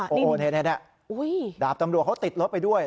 โอ้โหนี่ดาบตำรวจเขาติดรถไปด้วย